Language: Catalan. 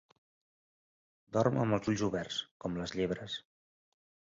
Dorm amb els ulls oberts, com les llebres.